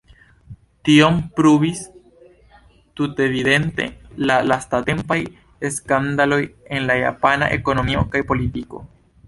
Tion pruvis tutevidente la lastatempaj skandaloj en la japana ekonomio kaj politiko.